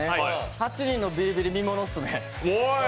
８人のビリビリ、見物ですね。